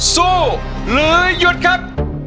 สู้หรือหยุดครับ